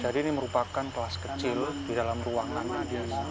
jadi ini merupakan kelas kecil di dalam ruang nama dia